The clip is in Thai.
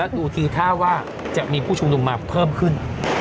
และดูถือถ้าว่าจะมีผู้ชูนุมมาเพิ่มขึ้น